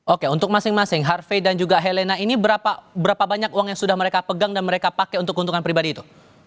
oke untuk masing masing harvey dan juga helena ini berapa banyak uang yang sudah mereka pegang dan mereka pakai untuk keuntungan pribadi itu